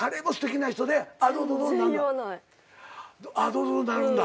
どうぞどうぞなるんだ。